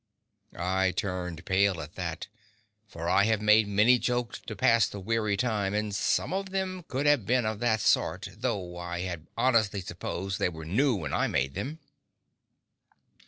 I turned pale at that, for I have made many jokes to pass the weary time, and some of them could have been of that sort, though I had honestly supposed that they were new when I made them.